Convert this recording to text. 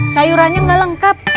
sayurannya tidak lengkap